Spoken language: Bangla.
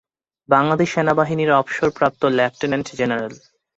বাংলাদেশ সেনাবাহিনীর অবসরপ্রাপ্ত লেফটেন্যান্ট জেনারেল।